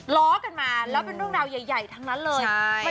ล้อกันมาแล้วเป็นเรื่องราวใหญ่ทั้งนั้นเลย